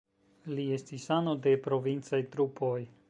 Li estis ano de provincaj trupoj.